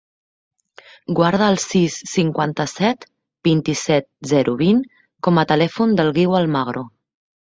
Guarda el sis, cinquanta-set, vint-i-set, zero, vint com a telèfon del Guiu Almagro.